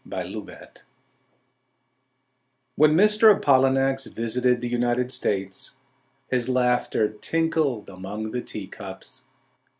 Apollinax When Mr. Apollinax visited the United States His laughter tinkled among the teacups.